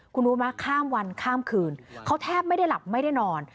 คุณรู้ไหมข้ามวันข้ามคืนเขาแทบไม่ได้หลับไม่ได้นอน